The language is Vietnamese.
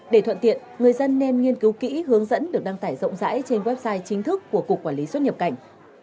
để thuận tiện người dân nên nghiên cứu kỹ hướng dẫn được đăng tải rộng rãi trên website chính thức của cục quản lý xuất nhập cảnh